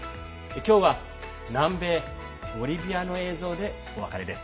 今日は南米ボリビアの映像でお別れです。